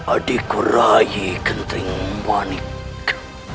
adikura ikenting manik